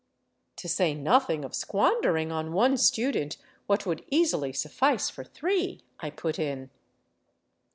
" To say nothing of squandering on one student what would easily suffice for three," I put in.